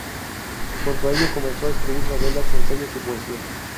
Junto a ello comenzó a escribir novelas, ensayos y poesía.